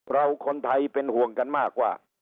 คนไทยเป็นห่วงกันมากว่า